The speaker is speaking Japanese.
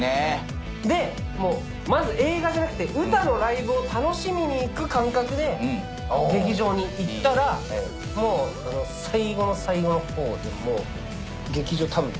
でまず映画じゃなくてウタのライブを楽しみに行く感覚で劇場に行ったらもう最後の最後の方でたぶん。